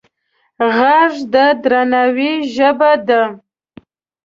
غږ د درناوي ژبه ده